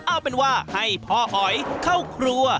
เอาเป็นว่าให้พ่อหอยเข้าครัว